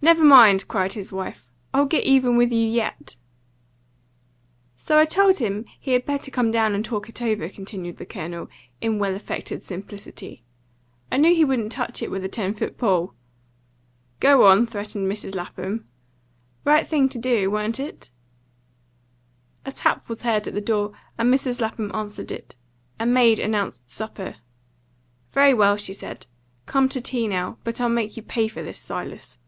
"Never mind!" cried his wife. "I'll get even with you YET." "So I told him he had better come down and talk it over," continued the Colonel, in well affected simplicity. "I knew he wouldn't touch it with a ten foot pole." "Go on!" threatened Mrs. Lapham. "Right thing to do, wa'n't it?" A tap was heard at the door, and Mrs. Lapham answered it. A maid announced supper. "Very well," she said, "come to tea now. But I'll make you pay for this, Silas."